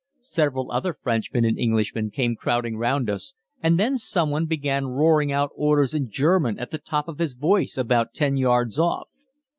Several other Frenchmen and Englishmen came crowding round us, and then some one began roaring out orders in German at the top of his voice about 10 yards off.